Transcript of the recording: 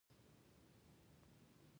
له بزګرانو یې واخلي.